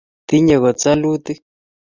tinye kot salutik